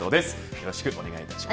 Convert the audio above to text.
よろしくお願いします。